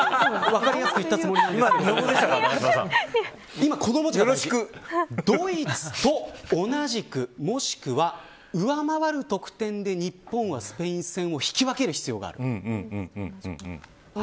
分かりやすく言ったつもりだったんですけどドイツと同じくもしくは、上回る得点で日本はスペイン戦を引き分ける必要がある。